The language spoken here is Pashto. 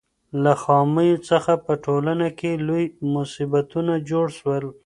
له خامیو څخه په ټولنه کې لوی مصیبتونه جوړ سول.